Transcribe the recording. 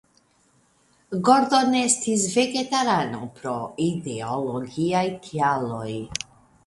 Gordon estis vegetarano pro ideologiaj kialoj.